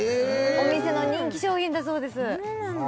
お店の人気商品だそうですそうなんだ